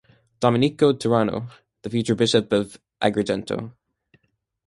Domenico Turano (the future Bishop of Agrigento).